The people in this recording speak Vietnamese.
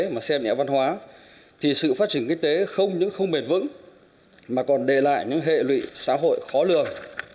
mà xem nhẹ văn hóa thì sự phát triển kinh tế không những không bền vững mà còn đề lại những hệ lụy xã hội khó lường